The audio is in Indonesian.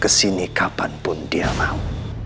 kesini kapan pun dia mau